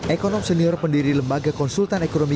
ekonom senior pendiri lembaga konsultan ekonomi